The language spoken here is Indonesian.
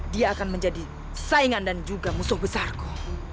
dia akan menjadi saingan dan juga musuh besarku